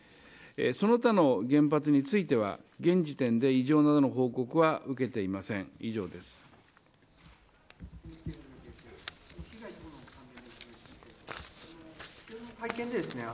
その他の原発については現時点で異常などの報告は受けていません、以上です。